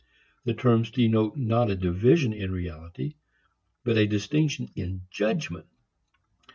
The terms denote not a division in reality but a distinction in judgment.